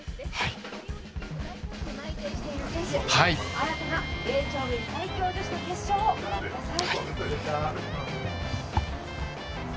新たな霊長類最強女子の決勝をご覧ください。